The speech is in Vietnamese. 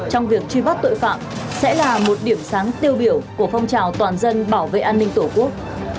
trong việc truy bắt tội phạm sẽ là một điểm sáng tiêu biểu của phong trào toàn dân bảo vệ an ninh tổ quốc